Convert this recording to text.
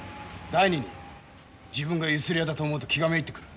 第二に自分がゆすり屋だと思うと気がめいってくる。